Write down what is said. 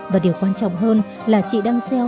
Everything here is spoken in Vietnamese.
và điều quan trọng hơn là chị đang gieo